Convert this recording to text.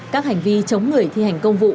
các hành vi chống người thi hành công vụ